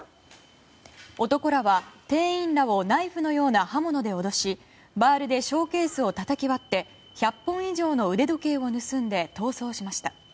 男らは店員らをナイフのような刃物で脅しバールでショーケースをたたき割って１００本以上の腕時計を盗んで逃走しました。